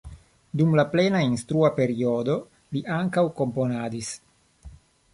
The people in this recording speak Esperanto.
Dum la plena instrua periodo li ankaŭ komponadis.